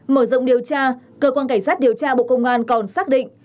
mở rộng điều tra cơ quan cảnh sát điều tra bộ công an còn xác định